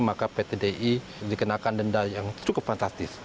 maka ptdi dikenakan denda yang cukup fantastis